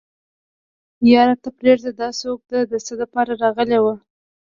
يره ته پرېده دا څوک ده د څه دپاره راغلې وه.